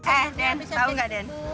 eh den tau gak den